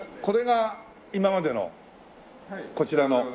これが今までのこちらの。